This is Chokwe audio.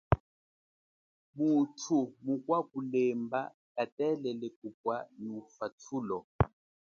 Muthu mukwa kulemba katelele kupwa nyi ufathulo.